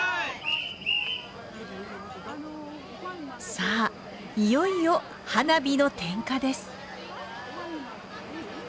さあいよいよ花火の点火です。